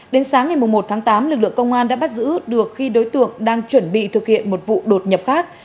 đến sáng ngày một tháng tám lực lượng công an đã bắt giữ được khi đối tượng đang chuẩn bị thực hiện một vụ đột nhập khác